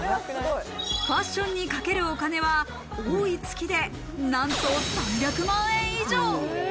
ファッションにかけるお金は多い月で、なんと３００万円以上。